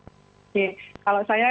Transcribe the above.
oke kalau saya